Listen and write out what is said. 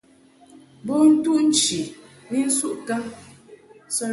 Bo ntuʼ nchi ni nsuʼ kaŋ.